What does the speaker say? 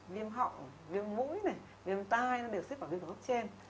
viêm họng viêm mũi viêm tai đều xếp vào viêm đường hô hốp trên